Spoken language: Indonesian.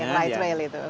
ya yang light rail itu